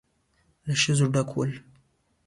له ښځو ډک ول.